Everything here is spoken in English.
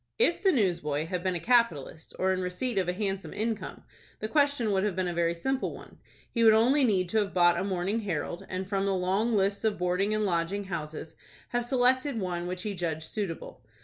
If the newsboy had been a capitalist, or in receipt of a handsome income, the question would have been a very simple one. He would only need to have bought a "Morning Herald," and, from the long list of boarding and lodging houses, have selected one which he judged suitable.